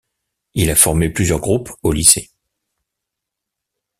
Il a formé plusieurs groupes au lycée.